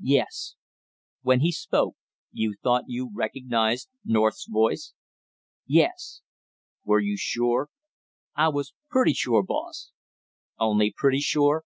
"Yes." "When he spoke, you thought you recognized North's voice?" "Yes." "Were you sure?" "I was pretty sure, boss " "Only pretty sure?"